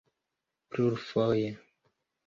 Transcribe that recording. plurfoje